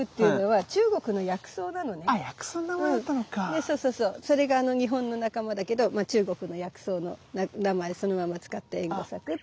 でそうそうそうそれが日本の仲間だけど中国の薬草の名前そのまま使ってエンゴサクって。